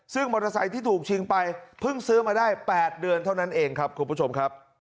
ซึ่งมอเตอร์ไซค์ที่ถูกชิงไปเพิ่งซื้อมาได้๘เดือนเท่านั้นเองครับคุณผู้ชมครับ